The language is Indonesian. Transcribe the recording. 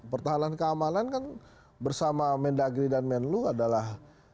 pertahanan keamanan kan bersama mendagri dan menlu adalah